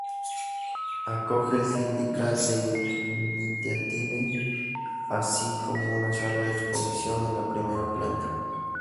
Acoge el Syndicat d’Initiative, así como una sala de exposición en la primera planta.